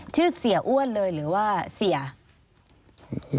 ชื่อเสียอ้วนเลยหรือว่าเสีย